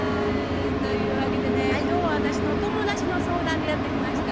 というわけでね今日は私の友達の相談でやって来ました。